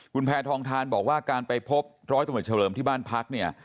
คุณแพทองทานบอกว่าการไปพบร้อยตำรวจเฉลิมที่บ้านพักเนี่ย